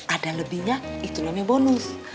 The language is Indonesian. ada lebihnya itulah yang bonus